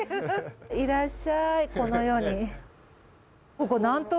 いらっしゃいこの世に。